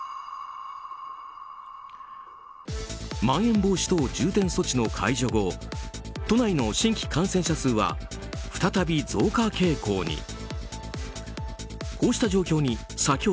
まん延防止等重点措置の解除後都内の新規感染者数は再び増加傾向に。